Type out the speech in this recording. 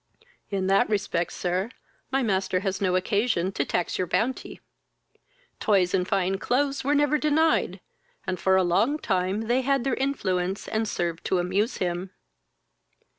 "In that respect, sir, my master has no occasion to tax your bounty. Toys and fine clothes were never denied, and for a long time they had their influence, and served to amuse him."